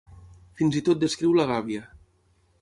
Fins i tot descriu la gàbia.